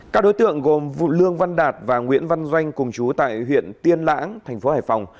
các đối tượng gồm lương văn đạt và nguyễn văn doanh cùng chú tại huyện tiên lãng thành phố hải phòng